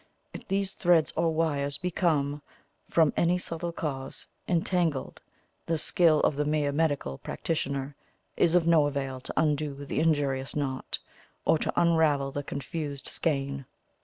If these threads or wires become, from any subtle cause, entangled, the skill of the mere medical practitioner is of no avail to undo the injurious knot, or to unravel the confused skein.